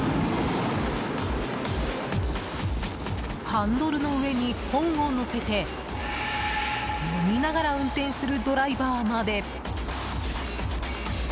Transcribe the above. ハンドルの上に本を載せて読みながら運転するドライバーまで。